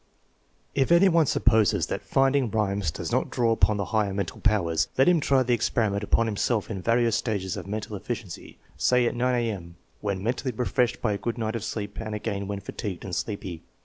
If any one supposes that rinding rhymes does not draw upon the higher mental powers, let him try the experiment upon himself in various stages of mental efficiency, say at 9 A.M., when mentally refreshed by a good night of sleep and again when fatigued and sleepy.